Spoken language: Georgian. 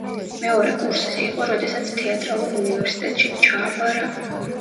მეორე კურსზე იყო, როდესაც თეატრალურ უნივერსიტეტშიც ჩააბარა.